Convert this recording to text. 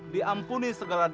kita berdoa kepada allah swt